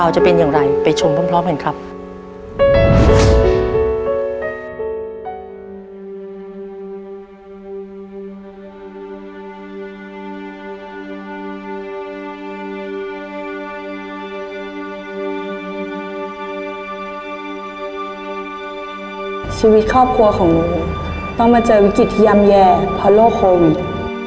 ชีวิตครอบครัวของหนูต้องมาเจอวิกฤตที่ย่ำแย่เพราะโรคโควิด